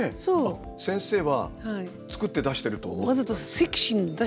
先生は作って出してると？